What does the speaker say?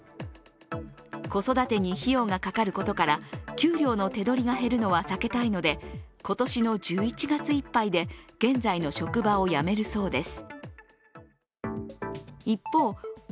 子育てに費用がかかることから給料の手取りが減ることは避けたいので、今年の１１月いっぱいで、現在の職場を辞めるそうです。